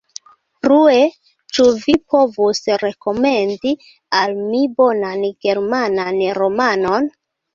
Plue, ĉu vi povus rekomendi al mi bonan germanan romanon?